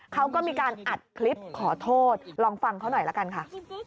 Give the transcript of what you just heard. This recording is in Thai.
เขาก็มีการอัดคลิปขอโทษลองฟังเขาหน่อยละกันค่ะ